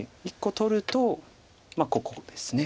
１個取るとまあここです。